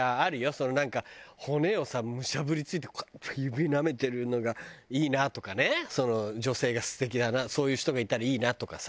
そのなんか骨をさむしゃぶりついてこうやって指なめてるのがいいなとかね女性が素敵だなそういう人がいたらいいなとかさ。